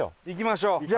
行きましょう。